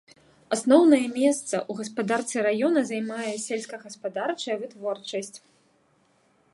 Асноўнае месца ў гаспадарцы раёна займае сельскагаспадарчая вытворчасць.